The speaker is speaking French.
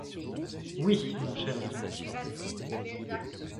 Oui, mon cher Dick.